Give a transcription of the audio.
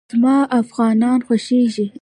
زما افغانان خوښېږي